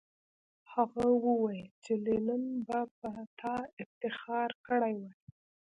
هغه وویل چې لینن به په تا افتخار کړی وای